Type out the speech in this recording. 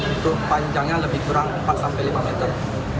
itu panjangnya lebih kurang empat sampai lima meter